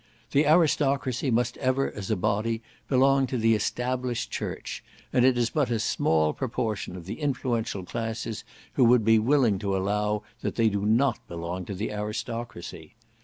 The aristocracy must ever, as a body, belong to the established Church, and it is but a small proportion of the influential classes who would be willing to allow that they do not belong to the aristocracy.